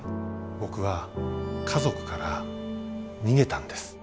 僕は家族から逃げたんです。